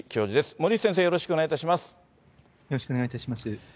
森内先生、よろしくお願いいたします。